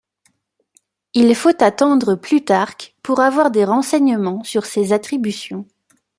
Il faut attendre Plutarque pour avoir des renseignements sur ses attributions.